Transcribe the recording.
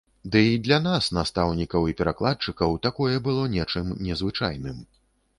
Ды й для нас, настаўнікаў і перакладчыкаў, такое было нечым незвычайным.